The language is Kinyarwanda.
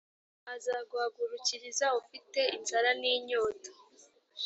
azaguhagurukiriza ufite inzara n inyota